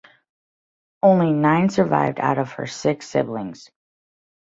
Only nine survived out of her six siblings.